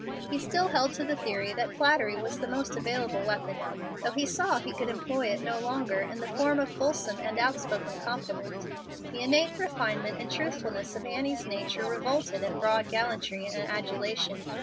He still held to the theory that flattery was the most available weapon, though he saw he could employ it no longer in the form of fulsome and outspoken compliment. The innate refinement and truthfulness of Annie's nature revolted at broad gallantry and adulation.